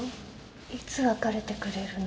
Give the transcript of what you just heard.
いつ別れてくれるの？